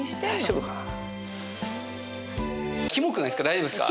大丈夫ですか？